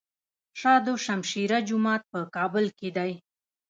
د شاه دوشمشیره جومات په کابل کې دی